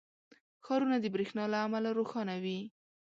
• ښارونه د برېښنا له امله روښانه وي.